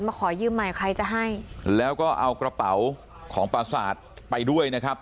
ขอยืมใหม่ใครจะให้แล้วก็เอากระเป๋าของประสาทไปด้วยนะครับ